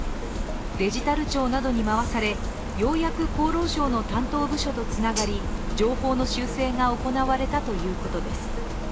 デジタル庁などに回され、ようやく厚労省の担当部署とつながり情報の修正が行われたということです。